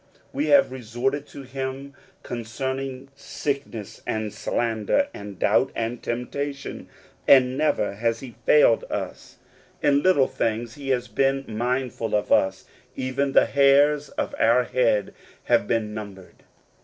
We have resorted to him concerning sickness, The Ride of God's Giving. 79 ind slander, and doubt, and teniptation ; and never has he failed us. In little things he has been mindful of us: even the hairs of our head have been numbered.